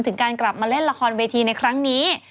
ถึงการกลับมาเล่นละครเวทีในครั้งนี้